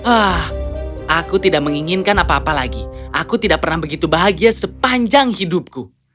ah aku tidak menginginkan apa apa lagi aku tidak pernah begitu bahagia sepanjang hidupku